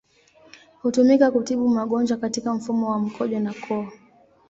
Hutumika kutibu magonjwa katika mfumo wa mkojo na koo.